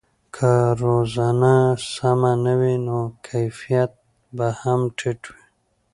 که روزنه سمه نه وي نو کیفیت به هم ټیټ وي.